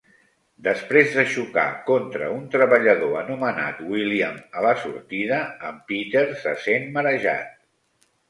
Desprès de xocar contra un treballador anomenat William a la sortida, en Peter se sent marejat.